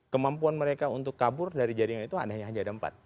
kemampuan mereka untuk kabur dari jaringan itu hanya ada empat